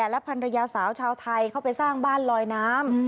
และภรรยาสาวชาวไทยเข้าไปสร้างบ้านลอยน้ำ